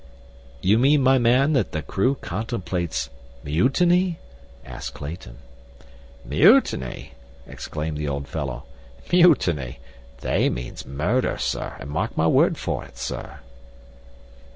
"You mean, my man, that the crew contemplates mutiny?" asked Clayton. "Mutiny!" exclaimed the old fellow. "Mutiny! They means murder, sir, an' mark my word for it, sir."